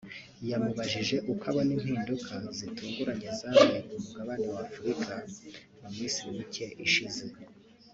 yamubajije uko abona impinduka zitunguranye zabaye ku mugabane wa Afurika mu minsi mike ishize